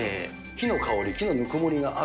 木の香り、木のぬくもりがある。